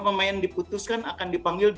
pemain diputuskan akan dipanggil